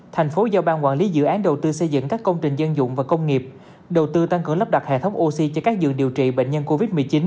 thành phố giao ban quản lý dự án đầu tư xây dựng các công trình dân dụng và công nghiệp đầu tư tăng cường lắp đặt hệ thống oxy cho các giường điều trị bệnh nhân covid một mươi chín